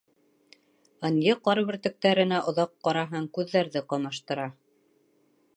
Ынйы ҡар бөртөктәренә оҙаҡ ҡараһаң, күҙҙәрҙе ҡамаштыра.